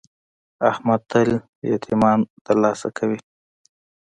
احمد تل یتمیان دلاسه کوي.